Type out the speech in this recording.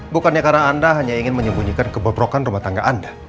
bukannya karena anda hanya ingin menyembunyikan kebobrokan rumah tangga anda